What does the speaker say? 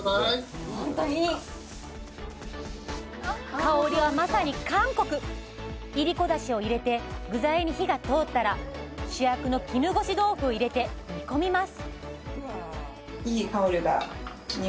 香りはまさに韓国いりこだしを入れて具材に火が通ったら主役の絹ごし豆腐を入れて煮込みます